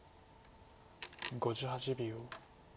５８秒。